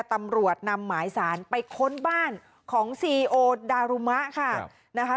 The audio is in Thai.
ตำรวจนำหมายสารไปค้นบ้านของซีโอดารุมะค่ะนะคะ